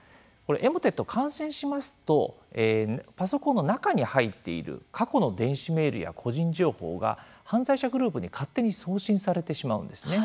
エモテット感染しますとパソコンの中に入っている過去の電子メールや個人情報が犯罪者グループに勝手に送信されてしまうんですね。